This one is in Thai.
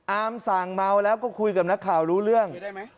สั่งเมาแล้วก็คุยกับนักข่าวรู้เรื่อง